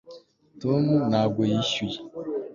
tom ntabwo yishyuye